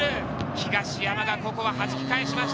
東山がはじき返しました。